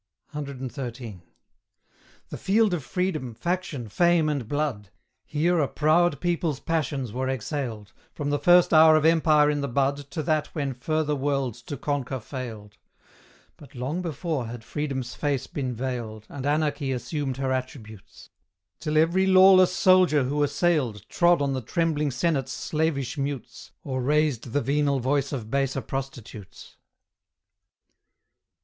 CXIII. The field of freedom, faction, fame, and blood: Here a proud people's passions were exhaled, From the first hour of empire in the bud To that when further worlds to conquer failed; But long before had Freedom's face been veiled, And Anarchy assumed her attributes: Till every lawless soldier who assailed Trod on the trembling Senate's slavish mutes, Or raised the venal voice of baser prostitutes.